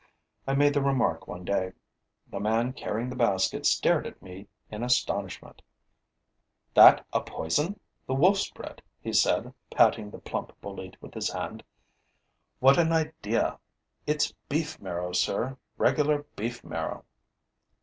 I made the remark one day. The man carrying the basket stared at me in astonishment: 'That a poison! The wolf's bread!' he said, patting the plump bolete with his hand. 'What an idea! It's beef marrow, sir, regular beef marrow!'